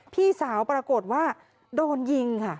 พี่สาวปรากฏว่าโดนยิงค่ะ